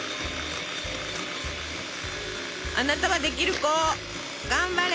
あなたはできる子頑張れ！